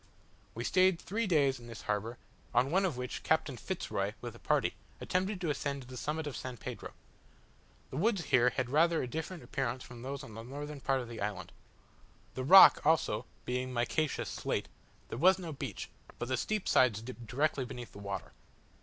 We stayed three days in this harbour, on one of which Captain Fitz Roy, with a party, attempted to ascend to the summit of San Pedro. The woods here had rather a different appearance from those on the northern part of the island. The rock, also, being micaceous slate, there was no beach, but the steep sides dipped directly beneath the water.